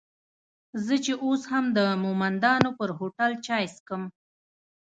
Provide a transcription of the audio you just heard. زه چې اوس هم د مومندانو پر هوټل چای څکم.